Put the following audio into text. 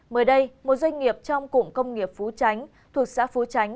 mới đây một doanh nghiệp trong cụng công nghiệp phú chánh thuộc xã phú chánh